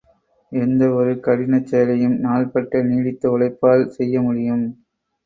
எந்தவொரு கடினச் செயலையும் நாள்பட்ட நீடித்த உழைப்பால் செய்யமுடியும்.